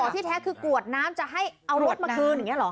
ที่แท้คือกวดน้ำจะให้เอารถมาคืนอย่างนี้เหรอ